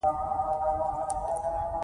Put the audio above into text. مینه باید څوک زنداني نه کړي.